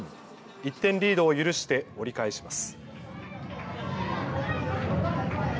１点リードを許して折り返します。